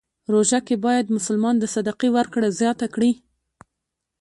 روژه کې باید مسلمان د صدقې ورکړه زیاته کړی.